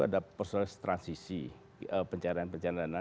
ada proses transisi pencarian pencarian dana